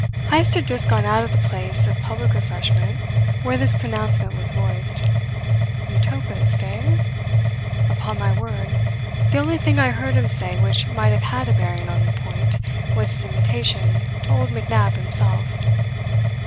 Heyst had just gone out of the place of public refreshment where this pronouncement was voiced. Utopist, eh? Upon my word, the only thing I heard him say which might have had a bearing on the point was his invitation to old McNab himself.